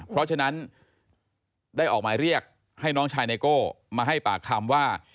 เพราะฉะนั้นได้ออกหมายเรียกให้น้องชายไนโก้มาให้ปากคำว่า